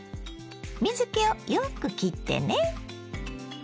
水けをよくきってね。